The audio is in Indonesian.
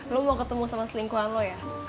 lo mau ketemu sama selingkuhan lo ya